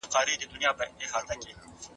د جنایتکارانو سزا باید په ښکاره ورکړل سي.